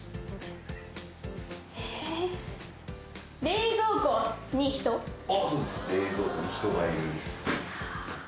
「冷蔵庫に人がいる」です。